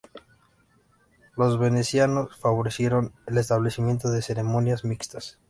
Los venecianos favorecieron el establecimiento de ceremonias mixtas.